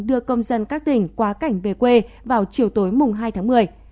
đưa công dân các tỉnh qua cảnh về quê vào chiều tối hai tháng một mươi